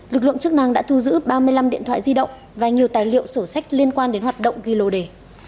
lực lượng chức năng đã thu giữ ba mươi năm điện thoại di động và nhiều tài liệu sổ sách liên quan đến hoạt động ghi lô đề